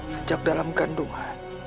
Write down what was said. sejak dalam kandungan